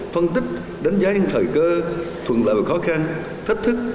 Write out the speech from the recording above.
phân tích đánh giá những thời cơ thuận lợi và khó khăn thách thức